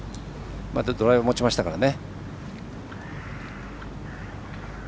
ドライバー持ちましたからね。